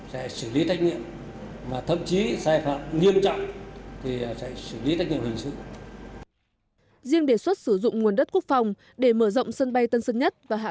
riêng đề xuất sử dụng nguồn đất quốc phòng để mở rộng sân bay tân sơn nhất và hạn